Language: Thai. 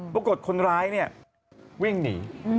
ปรากฏคนร้ายวิ่งหนี